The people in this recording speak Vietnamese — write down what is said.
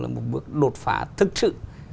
một bước đột phá thực sự